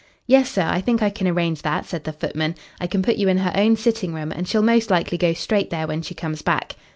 "Yes, sir, I think I can arrange that," said the footman. "I can put you in her own sitting room, and she'll most likely go straight there when she comes back."